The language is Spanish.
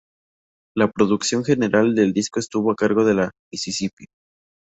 La producción general del disco estuvo a cargo de La Mississippi.